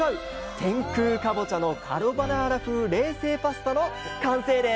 天空かぼちゃのカルボナーラ風冷製パスタの完成です！